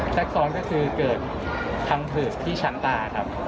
แทรกซ้อนก็คือเกิดคำผืดที่ชั้นตาครับ